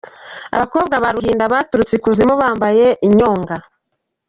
Abakobwa ba Ruhinda baturutse ikuzimu bambaye inyonga .